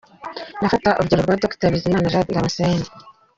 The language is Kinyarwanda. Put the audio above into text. Ndafata urugero rwa Dr Bizimana Jean Damascene.